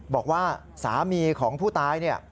บอกว่าสามีของผู้ตายเนี่ย